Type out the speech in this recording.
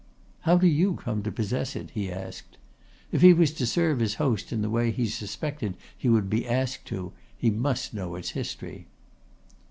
"How do you come to possess it?" he asked. If he was to serve his host in the way he suspected he would be asked to, he must know its history.